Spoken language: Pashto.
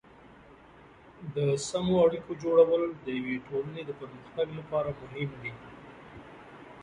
د سمو اړیکو جوړول د یوې ټولنې د پرمختګ لپاره مهم دي.